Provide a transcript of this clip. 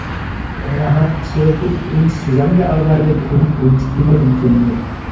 Er hat sehr gut mit uns zusammengearbeitet und uns immer informiert.